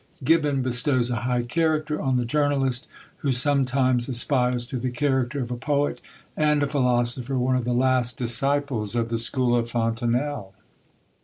GIBBON bestows a high character on the journalist, who sometimes "aspires to the character of a poet and a philosopher; one of the last disciples of the school of Fontenelle."